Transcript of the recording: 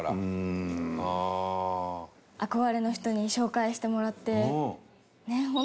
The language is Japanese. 憧れの人に紹介してもらって。